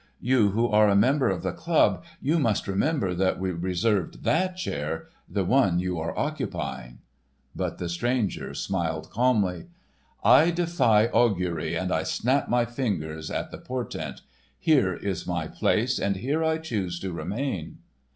You who are a member of the club! You must remember that we reserved that chair—the one you are occupying." But the stranger smiled calmly. "I defy augury, and I snap my fingers at the portent. Here is my place and here I choose to remain."